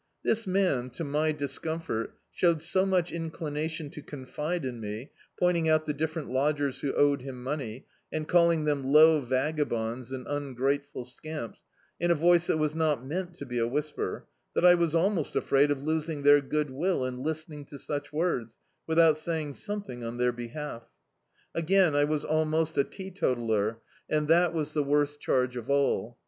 This man, to my discomfort, showed so much inclinarion to confide in me, pointing out the different lodgers who owed him money, and calling them low vagabonds and ungrateful scamps, in a voice that was not meant to be a whisper, that I was almost afraid of losing their good will in listen* ing to such words, without saying something on their behalf. Agmn I was almost a teetotaller, and that D,i.,.db, Google The Autobiography of a Super Tramp was the worst chai^ of all.